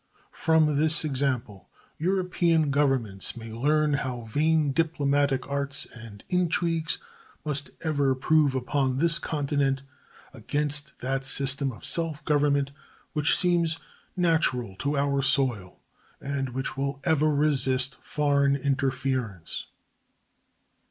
From this example European Governments may learn how vain diplomatic arts and intrigues must ever prove upon this continent against that system of self government which seems natural to our soil, and which will ever resist foreign interference.